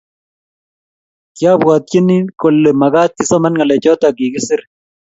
kyabwatyini kole magaat isomaan ngalechoto kigisiir